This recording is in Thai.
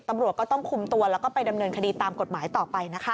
ตำรวจก็ต้องคุมตัวแล้วก็ไปดำเนินคดีตามกฎหมายต่อไปนะคะ